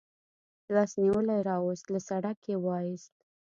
لاس نیولی راوست، له سړک یې و ایست.